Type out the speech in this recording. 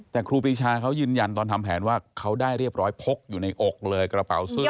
แต่ครูปรีชาเขายืนยันตอนทำแผนว่าเขาได้เรียบร้อยพกอยู่ในอกเลยกระเป๋าเสื้อ